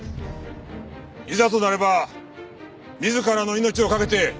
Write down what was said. いざとなれば自らの命を懸けて人々を守る。